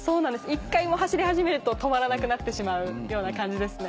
一回走り始めると止まらなくなってしまうような感じですね。